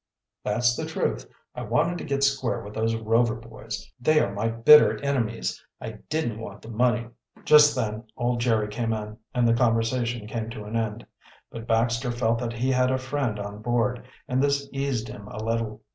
"That's the truth. I wanted to get square with those Rover boys. They are my bitter enemies. I didn't want the money." Just then old Jerry came in and the conversation came to an end. But Baxter felt that he had a friend on board and this eased him a little.